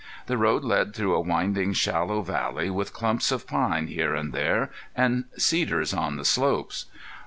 The road led through a winding, shallow valley, with clumps of pine here and there, and cedars on the slopes.